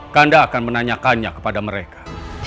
kanda akan menanyakannya kepada mereka